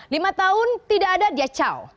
lima tahun tidak ada dia cau